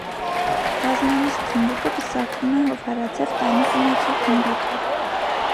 Բազմանիստ թմբուկը պսակվում է հովհարաձև տանիք ունեցող գմբեթով։